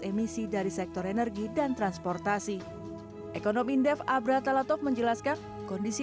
emisi dari sektor energi dan transportasi ekonom indef abra talatov menjelaskan kondisi